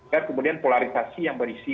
kemudian polarisasi yang berisi